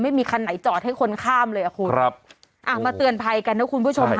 ไม่มีคันไหนจอดให้คนข้ามเลยอ่ะคุณครับอ่ามาเตือนภัยกันนะคุณผู้ชมค่ะ